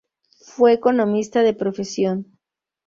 Fue economista de profesión.